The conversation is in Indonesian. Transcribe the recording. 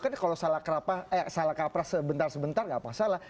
kan kalau salah kaprah sebentar sebentar nggak masalah